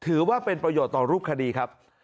ถือว่าเป็นประโยชน์ต่อรูปคดีครับ